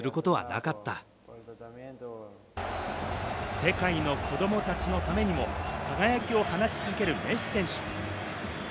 世界の子供たちのためにも輝きを放ち続けるメッシ選手。